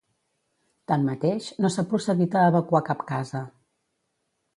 Tanmateix, no s’ha procedit a evacuar cap casa.